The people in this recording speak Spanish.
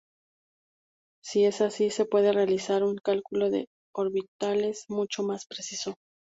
Si es así, se puede realizar un cálculo de orbitales mucho más preciso.